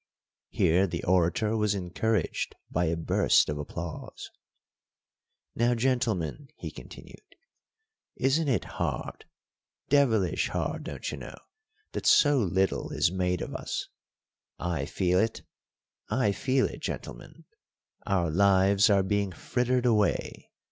Here the orator was encouraged by a burst of applause. "Now, gentlemen," he continued, "isn't it hard devilish hard, don't you know, that so little is made of us? I feel it I feel it, gentlemen; our lives are being frittered away.